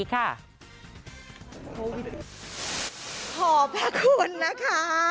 ขอบพระคุณนะคะ